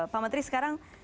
pak menteri sekarang